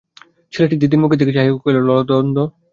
ছেলেটি দিদির মুখের দিকে চাহিয়া কহিল, লদন্দ।